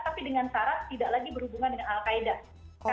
tapi dengan syarat tidak lagi berhubungan dengan al qaeda